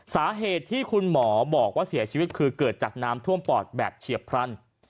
สาเหตุที่คุณหมอบอกว่าเสียชีวิตคือเกิดจากน้ำท่วมปอดแบบเฉียบพลัน